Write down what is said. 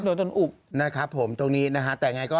บ่นอุบนะครับผมตรงนี้นะฮะแต่ยังไงก็